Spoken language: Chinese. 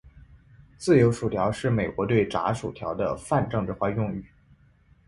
自由薯条是美国对炸薯条的泛政治化用语。